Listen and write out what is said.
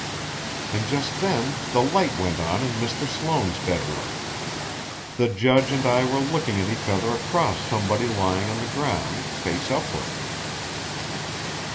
And just then the light went on in Mr. Sloane's bedroom. The judge and I were looking at each other across somebody lying on the ground, face upward."